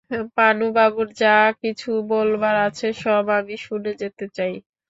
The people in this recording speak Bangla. পানুবাবুর যা-কিছু বলবার আছে সব আমি শুনে যেতে চাই।